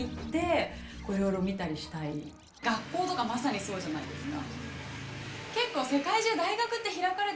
学校とかまさにそうじゃないですか。